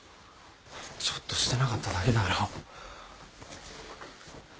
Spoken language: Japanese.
ちょっとしてなかっただけだろ。